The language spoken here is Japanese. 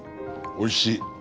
おいしい。